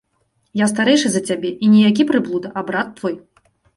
Я старэйшы за цябе і не які прыблуда, а брат твой.